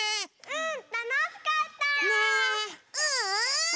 うん！